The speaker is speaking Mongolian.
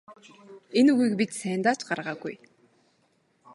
Энэ үгийг бид сайндаа ч гаргаагүй.